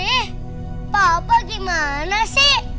eh papa gimana sih